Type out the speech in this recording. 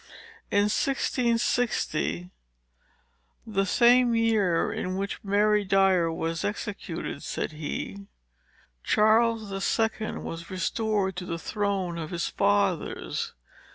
"In 1660, the same year in which Mary Dyer was executed," said he, "Charles the Second was restored to the throne of his fathers.